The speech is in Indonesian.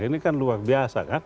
ini kan luar biasa kan